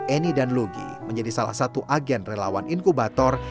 eni dan lugi menjadi salah satu agen relawan inkubator